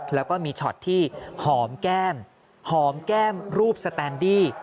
แล้วก็มีช็อตที่หอมแก้มหอมแก้มรูปสแตนดี้